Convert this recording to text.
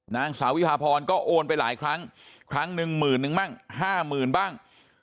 นางสาววิพาพรก็โอนไปหลายครั้งครั้งหนึ่งหมื่นนึงบ้างห้าหมื่นบ้าง